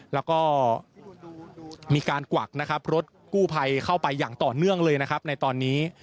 แล้วก็มีการกวักนะครับรถกู้ภัยเข้าไปอย่างต่อเนื่องเลยนะครับในตอนนี้